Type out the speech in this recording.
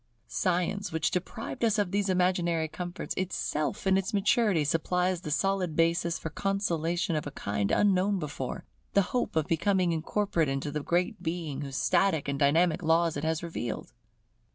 Science which deprived us of these imaginary comforts, itself in its maturity supplies the solid basis for consolation of a kind unknown before; the hope of becoming incorporate into the Great Being whose static and dynamic laws it has revealed.